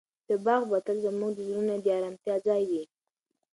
دا باغ به تل زموږ د زړونو د ارامتیا ځای وي.